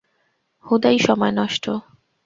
হুদাই সময় নষ্ট।